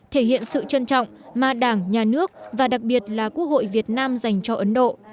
thể hiện sự trân trọng mà đảng nhà nước và đặc biệt là quốc hội việt nam dành cho ấn độ